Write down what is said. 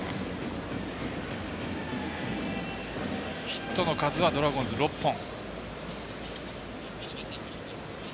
ヒットの数はドラゴンズ６本。